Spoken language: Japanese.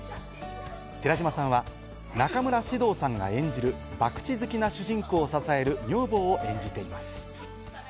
寺島さんは中村獅童さんが演じる、ばくち好きな主人公を支える女房を演じています。